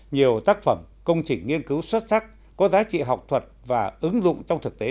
nhiều tác phẩm công trình nghiên cứu xuất sắc có giá trị học thuật và ứng dụng trong thực tế